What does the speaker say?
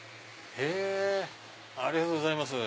ありがとうございます。